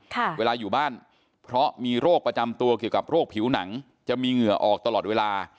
เวลาอยู่บ้านเพราะมีโรคประจำตัวเกี่ยวกับโรคผิวหนังจะมีเหงื่อออกตลอดเวลา